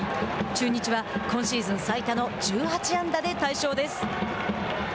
中日は今シーズン最多の１８安打で大勝です。